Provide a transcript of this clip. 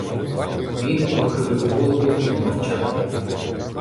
Він похилив голову і мовчав.